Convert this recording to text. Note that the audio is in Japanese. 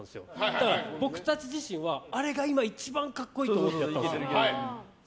だから僕たち自身はあれが今、一番格好いいと思ってやったんですよ。